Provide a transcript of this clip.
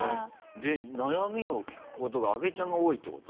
で悩みを聞くことが阿部ちゃんが多いってこと？